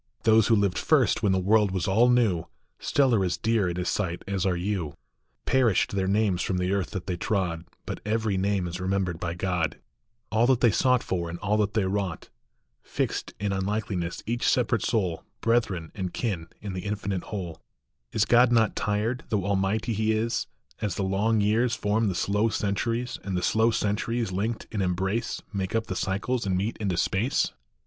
Those who lived first, when the world was all new, Still are as dear in his sight as are you ; Perished their names from the earth that they trod, But every name is remembered by God, All that they sought for, and all that they wrought. Fixed in unlikeness each separate soul, Brethren and kin in the infinite whole. Is God not tired, though almighty He is, As the long years form the slow centuries, And the slow centuries linked in embrace Make up the cycles and meet into space